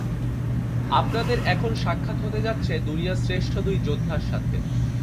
আপনাদের এখন সাক্ষাৎ হতে যাচ্ছে দুনিয়ার শ্রেষ্ঠ দুই যোদ্ধার সাথে।